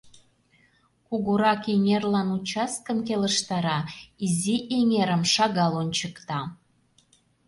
— Кугурак эҥерлан участкым келыштара, изи эҥерым шагал ончыкта.